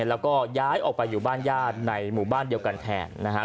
แล้วก็ย้ายออกไปอยู่บ้านญาติในหมู่บ้านเดียวกันแทนนะฮะ